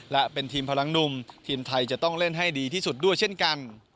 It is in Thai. และเป็นทีมพลังหนุ่มทีมไทยจะต้องเล่นให้ดีที่สุดด้วยเช่นกัน